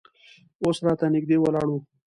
اوس راته نږدې ولاړ و.